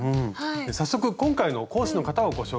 早速今回の講師の方をご紹介しましょう。